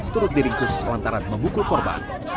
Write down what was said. turut diringkus selantaran membukul korban